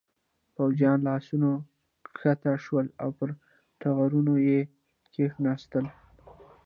پوځيان له آسونو کښته شول او پر ټغرونو یې کېناستل.